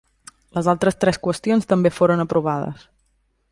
Les altres tres qüestions també foren aprovades.